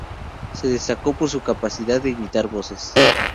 Se destacó por su capacidad de imitar voces.